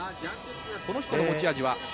この人の持ち味は？